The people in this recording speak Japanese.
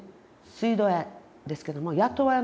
水道屋ですけども雇われの水道屋。